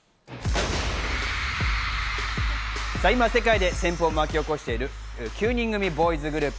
今、世界で旋風を巻き起こしている９人組ボーイズグループ。